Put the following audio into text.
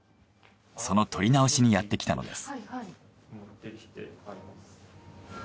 その撮り直しにやってきたのです。